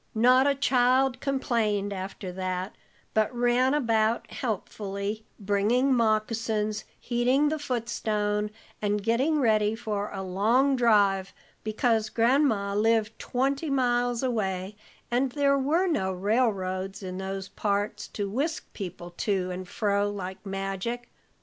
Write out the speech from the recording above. Not a child complained after that, but ran about helpfully, bringing moccasins, heating the footstone, and getting ready for a long drive, because Gran'ma lived twenty miles away, and there were no railroads in those parts to whisk people to and fro like magic.